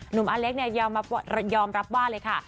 หนุ่มอเลคยอมรับว่าเลยค่ะ